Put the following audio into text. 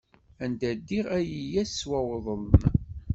Anda ddiɣ ad yi-yesweεden.